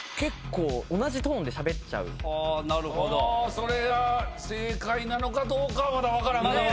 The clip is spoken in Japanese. それが正解なのかどうかはまだ分からん。